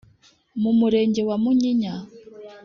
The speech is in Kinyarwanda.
mu Murenge wa Munyinya